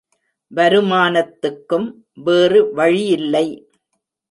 வருமானத்துக்கும் வேறு வழியில்லை.